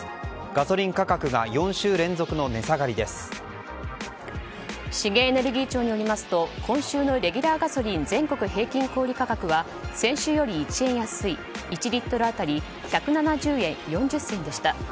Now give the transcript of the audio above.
ガソリン価格が４週連続の資源エネルギー庁によりますと今週のレギュラーガソリン全国平均小売価格は先週より１円安い１リットル当たり１７０円４０銭でした。